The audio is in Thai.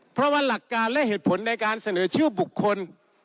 เพราะว่าหลักการและเหตุผลในการเสนอชื่อบุคคล